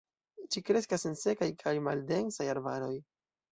Ĝi kreskas en sekaj kaj maldensaj arbaroj.